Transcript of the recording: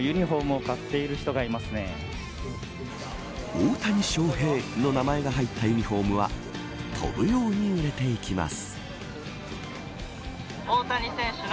大谷翔平の名前が入ったユニホームは飛ぶように売れていきます。